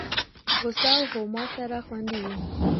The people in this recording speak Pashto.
هوسا او هما سره خوندي دي.